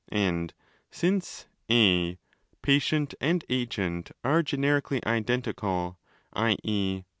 And since (4) patient and agent are generically identical (i.e.